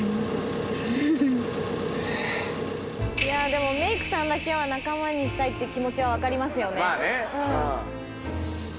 でもメイクさんだけは仲間にしたいって気持ちは分かりますよね